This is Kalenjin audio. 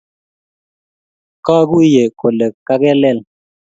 Kaguiye kole kageleel